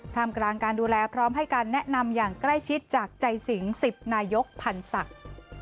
ทำกลางการดูแลพร้อมให้การแนะนำอย่างใกล้ชิดจากใจสิง๑๐นายกพันธ์ศักดิ์